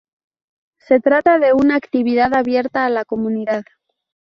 Se trata de una actividad abierta a la comunidad.